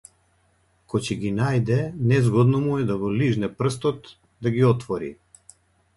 Ко ќе ги најде, незгодно му е да го лижне прстот да ги отвори.